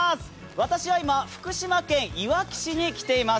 私は今、福島県いわき市に来ています。